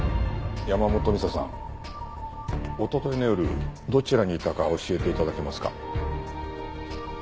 山本ミサさんおとといの夜どちらにいたか教えて頂けますか？